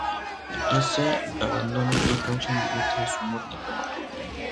Ese abandono fue causa indirecta de su muerte prematura.